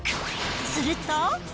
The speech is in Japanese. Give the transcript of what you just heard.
すると。